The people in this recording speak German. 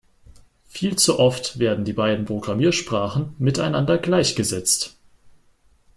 Viel zu oft werden die beiden Programmiersprachen miteinander gleichgesetzt.